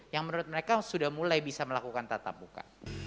yang menurut mereka sudah mulai bisa melakukan tatap muka